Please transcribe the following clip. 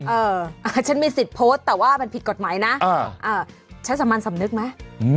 ฉันมีสิทธิ์โพสต์แต่ว่ามันผิดกฎหมายนะใช้สามัญสำนึกไหม